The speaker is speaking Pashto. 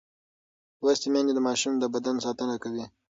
لوستې میندې د ماشوم د بدن ساتنه کوي.